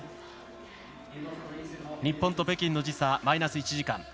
日本と北京の時差マイナス１時間。